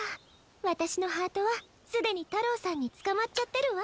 わたしのハートはすでにたろうさんにつかまっちゃってるわ。